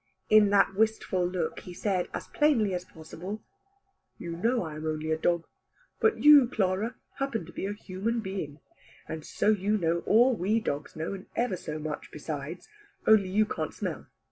In that wistful look he said as plainly as possible "You know I am only a dog. But you, Clara, happen to be a human being; and so you know all we dogs know, and ever so much besides. Only you can't smell.